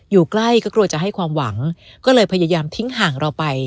อยู่ใกล้ก็กลัวจะให้ความหวังก็เลยพยายามทิ้งห่างเราไป